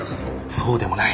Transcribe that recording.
そうでもない。